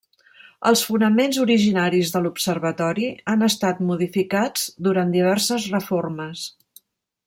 Els fonaments originaris de l'observatori han estat modificats durant diverses reformes.